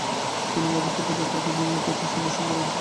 তিনি মধ্য তিব্বত যাত্রা করে বিভিন্ন তীর্থস্থান দর্শন করেন।